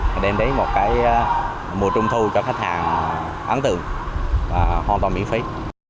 để đem đến một mùa trung thu cho khách hàng ấn tượng và hoàn toàn miễn phí